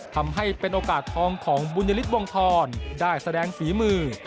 ทำให้เป็นโอกาสทองของบุญยฤทธิวงธรได้แสดงฝีมือ